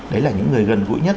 đấy là những người gần gũi nhất